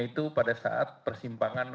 itu pada saat persimpangan